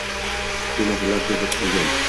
Shu masalalar ko‘zda tutilgan.